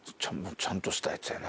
ちゃんとしたやつだよね。